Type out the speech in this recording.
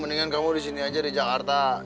mendingan kamu di sini aja di jakarta